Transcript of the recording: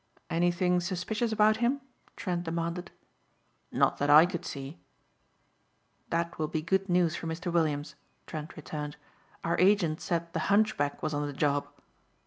"Anything suspicious about him?" Trent demanded. "Not that I could see." "That will be good news for Mr. Williams," Trent returned. "Our agent said the Hunchback was on the job."